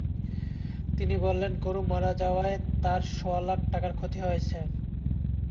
তিনি বললেন, গরু মারা যাওয়ায় তাঁর সোয়া লাখ টাকার ক্ষতি হয়েছে।